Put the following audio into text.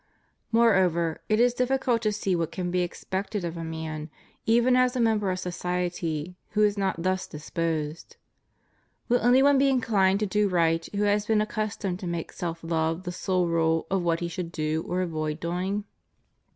Moreover, it is difficult to see what can be expected of a man, even as a member of society, who is not thus dis posed. Will any one be inclined to do right who has been accustomed to make self love the sole rule of what he should do or avoid doing?